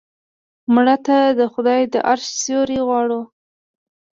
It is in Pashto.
مړه ته د خدای د عرش سیوری غواړو